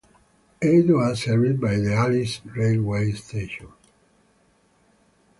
It was served by the Alice railway station.